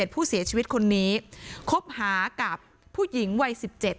ผู้เสียชีวิตคนนี้คบหากับผู้หญิงวัย๑๗